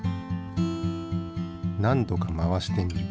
何度か回してみる。